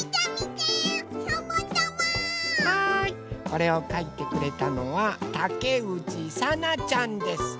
これをかいてくれたのはたけうちさなちゃんです。